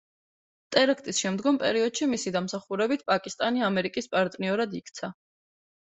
ტერაქტის შემდგომ პერიოდში მისი დამსახურებით პაკისტანი ამერიკის პარტნიორად იქცა.